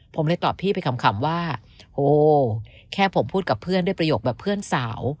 ผมเลยตอบพี่ไปขำว่าโอ้แค่ผมพูดกับเพื่อนด้วยประโยคแบบเพื่อนสาว